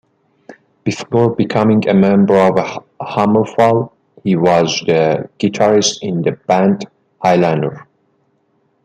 Before becoming a member of HammerFall, he was the guitarist in the band Highlander.